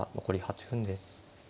残り８分です。